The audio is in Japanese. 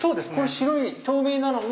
白い透明なのも？